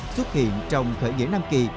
xuất hiện trong khởi nghĩa nam kỳ